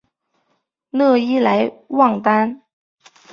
讷伊莱旺丹。